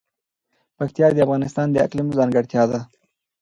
پکتیا د افغانستان د اقلیم ځانګړتیا ده.